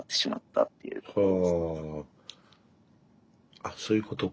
あっそういうことか。